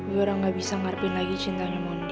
biar dia nggak bisa ngarepin lagi cintanya mondi